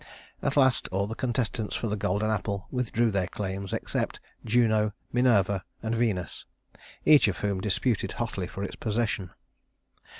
At last all the contestants for the golden apple withdrew their claims except Juno, Minerva, and Venus, each of whom disputed hotly for its possession.